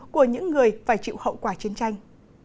của những người phải chịu hậu quả chiến tranh